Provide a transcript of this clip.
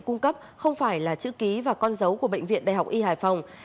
cung cấp không phải là chữ ký và con dấu của bệnh viện đại học y hải phòng